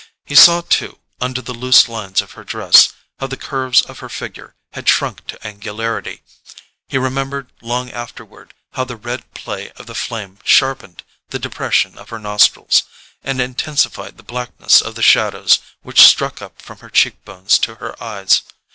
He saw too, under the loose lines of her dress, how the curves of her figure had shrunk to angularity; he remembered long afterward how the red play of the flame sharpened the depression of her nostrils, and intensified the blackness of the shadows which struck up from her cheekbones to her eyes.